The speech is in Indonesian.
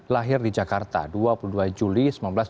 lahir di jakarta dua puluh dua juli seribu sembilan ratus tujuh puluh